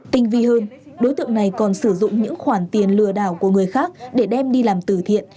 tinh vi hơn đối tượng này còn sử dụng những khoản tiền lừa đảo của người khác để đem đi làm tử thiện